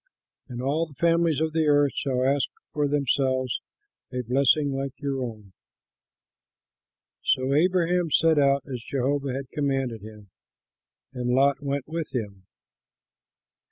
And all the families of the earth shall ask for themselves a blessing like your own." So Abraham set out, as Jehovah had commanded him; and Lot went with him.